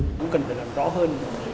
cũng cần phải làm rõ hơn